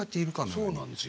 そうなんですよ。